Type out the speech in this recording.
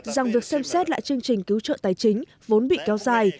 rằng việc xem xét lại chương trình cứu trợ tài chính vốn bị kéo dài